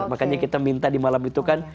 makanya kita minta di malam itu kan